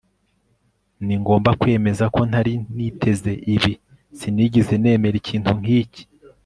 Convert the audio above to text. ningomba kwemeza ko ntari niteze ibi.sinigeze nemera ikintu nk'iki